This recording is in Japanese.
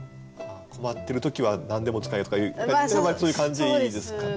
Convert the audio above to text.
困ってる時は何でも使えとかそういう感じですかね。